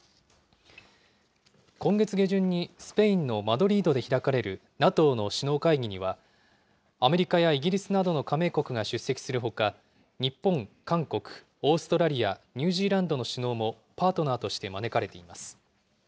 今月下旬にスペインのマドリードで開かれるＮＡＴＯの首脳会議には、アメリカやイギリスなどの加盟国が出席するほか、日本、韓国、オーストラリア、ニュージーランドの首脳もパートナーとして招かれています。